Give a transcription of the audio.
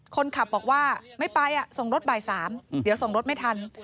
คนขับบอกว่าไม่ไปส่งรถบ่าย๓เดี๋ยวส่งรถไม่ทัน